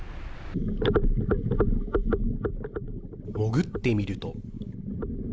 潜ってみると。